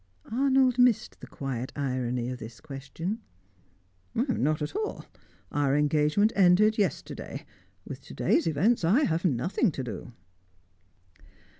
Arnold missed the quiet irony of this question. "Not at all. Our engagement ended yesterday; with to day's events I have nothing to do."